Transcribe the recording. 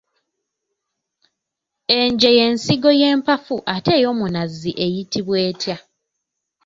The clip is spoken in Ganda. Enje ye nsigo y'empafu ate ey'omunazi eyitibwa etya?